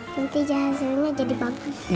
nanti hasilnya jadi bagus